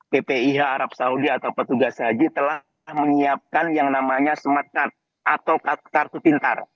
ppih arab saudi atau petugas haji telah menyiapkan yang namanya smart card atau kartu pintar